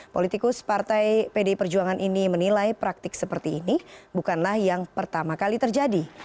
politikus partai pdi perjuangan ini menilai praktik seperti ini bukanlah yang pertama kali terjadi